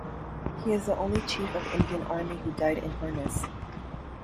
He is the only Chief of Indian Army who died in harness.